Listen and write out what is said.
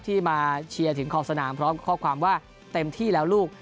มาเชียร์ถึงขอบสนามพร้อมข้อความว่าเต็มที่แล้วลูก